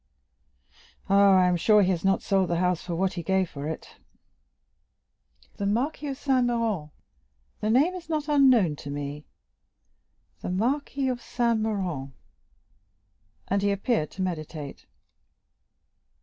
Ah, I am sure he has not sold the house for what he gave for it." "The Marquis of Saint Méran!" returned the count. "The name is not unknown to me; the Marquis of Saint Méran!" and he appeared to meditate.